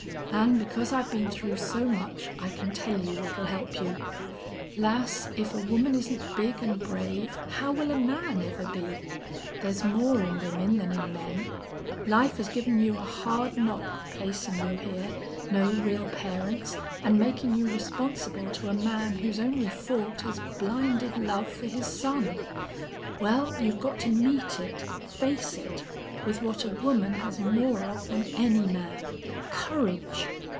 "An' because I've been through so much I can tell you what'll help you.... Lass, if a woman isn't big an' brave, how will a man ever be? There's more in women than in men. Life has given you a hard knock, placin' you here no real parents an' makin' you responsible to a man whose only fault is blinded love for his son. Well, you've got to meet it, face it, with what a woman has more of than any man. Courage!